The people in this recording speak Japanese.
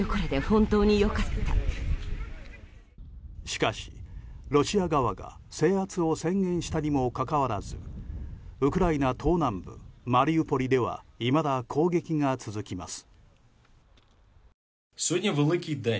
しかし、ロシア側が制圧を宣言したにもかかわらずウクライナ東南部マリウポリではいまだ攻撃が続きます。